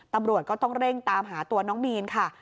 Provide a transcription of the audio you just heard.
ตำรวจก็ต้องเร่งตามหาตัวน้องมีนค่ะ